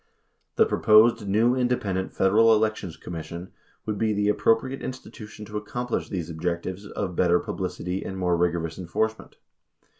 The proposed new independent Federal Elections Commission would be the appro priate institution to accomplish these objectives of better publicity and more rigorous enforcement.